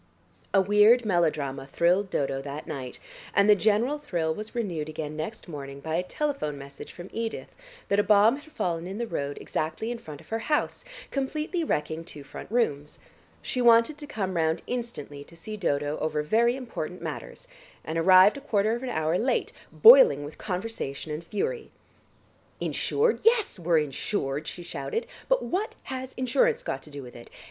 A weird melodrama thrilled Dodo that night, and the general thrill was renewed again next morning by a telephone message from Edith that a bomb had fallen in the road exactly in front of her house, completely wrecking two front rooms. She wanted to come round instantly to see Dodo over very important matters, and arrived a quarter of an hour late boiling with conversation and fury. "Insured? Yes, we're insured," she shouted, "but what has insurance got to do with it?